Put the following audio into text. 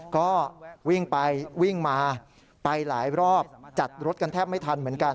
ก็วิ่งไปวิ่งมาไปหลายรอบจัดรถกันแทบไม่ทันเหมือนกัน